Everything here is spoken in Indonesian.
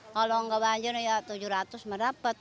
kalau gak banyak ya tujuh ratus mendapat